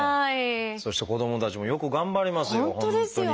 そして子どもたちもよく頑張りますよ